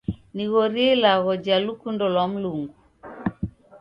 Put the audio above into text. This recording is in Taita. Nighorie ilagho ja lukundo lwa Mlungu.